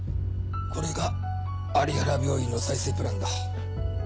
これが有原病院の再生プランだ。